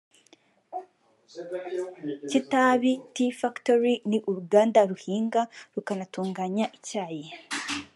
Kitabi Tea Factory ni uruganda ruhinga rukanatunganya icyayi